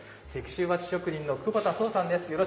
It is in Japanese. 石州和紙職人の久保田総さんです。